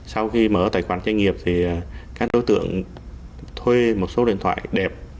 sau khi mở tài khoản doanh nghiệp thì các đối tượng thuê một số điện thoại đẹp